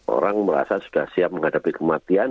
orang merasa sudah siap menghadapi kematian